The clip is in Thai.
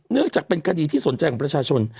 เนื่องจากเป็นคดีที่สนใจของประชาชน